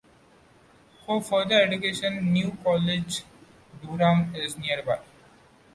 For further education, New College, Durham is nearby.